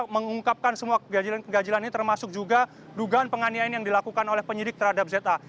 mengungkapkan semua kegajilan kegajilan ini termasuk juga dugaan penganiayaan yang dilakukan oleh penyidik terhadap za